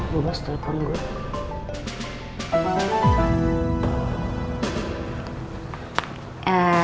bu bos tanya ternyata